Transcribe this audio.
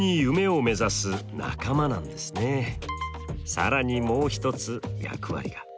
更にもう一つ役割が。